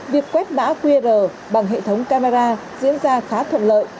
việc quét mã qr bằng hệ thống camera diễn ra khá thuận lợi